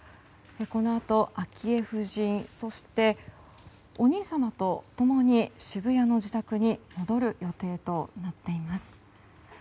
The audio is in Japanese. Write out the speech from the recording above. このあと昭恵夫人、そしてお兄様と共に渋谷の自宅に戻る予定となっています。